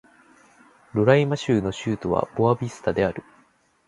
ロライマ州の州都はボア・ヴィスタである